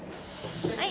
はい！